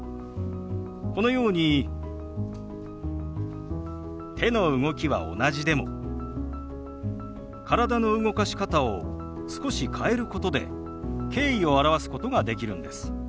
このように手の動きは同じでも体の動かし方を少し変えることで敬意を表すことができるんです。